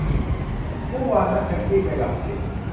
เมื่อวานนั่งแท็กซี่ไปรังสิต